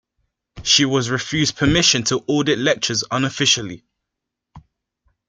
She was refused permission to audit lectures unofficially.